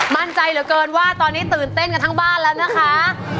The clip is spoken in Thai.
มั่นใจเหลือเกินว่าตอนนี้ตื่นเต้นกันทั้งบ้านแล้วนะคะ